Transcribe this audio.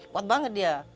kuat banget dia